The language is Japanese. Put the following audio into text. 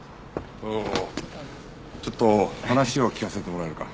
おおちょっと話を聞かせてもらえるか？